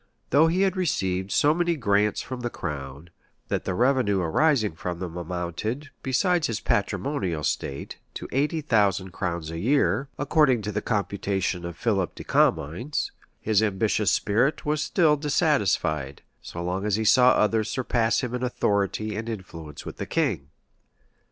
Though he had received so many grants from the crown, that the revenue arising from them amounted, besides his patrimonial estate, to eighty thousand crowns a year, according to the computation of Philip de Comines,[] his ambitious spirit was still dissatisfied, so long as he saw others surpass him in authority and influence with the king.